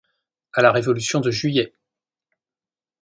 A la révolution de juillet !